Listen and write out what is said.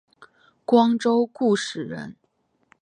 光州固始人。